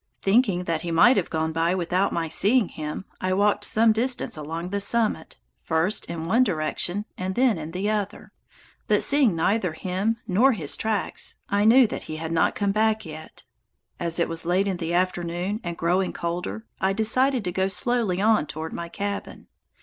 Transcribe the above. Thinking he might have gone by without my seeing him, I walked some distance along the summit, first in one direction and then in the other, but, seeing neither him nor his tracks, I knew that he had not yet come back. As it was late in the afternoon, and growing colder, I decided to go slowly on toward my cabin.